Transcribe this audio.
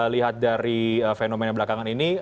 lihat dari fenomena belakangan ini